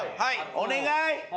お願い！